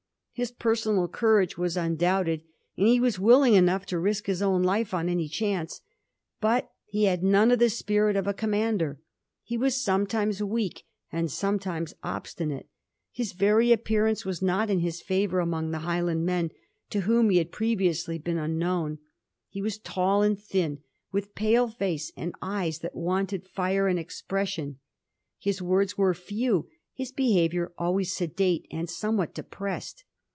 His personal courage was undoubted, and he was willing enough to risk his own life on any chance j but he had none of the spirit of a commander. He was sometimes weak and sometimes obstinate. His very appearance was not in his favour among the Highland men, to whom he had previously been unknown. He was tall and thin, with pale fece, and eyes that wanted fire and expression. His words were few, his beha viour always sedate and somewhat depressed.